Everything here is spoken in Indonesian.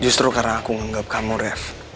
justru karena aku nganggep kamu rev